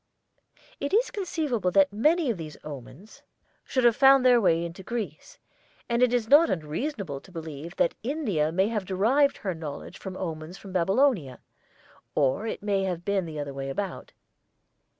It is conceivable that many of these omens should have found their way into Greece, and it is not unreasonable to believe that India may have derived her knowledge of omens from Babylonia; or it may have been the other way about.